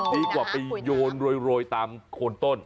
ดีกว่าไปโยนโรยตามโคนต้น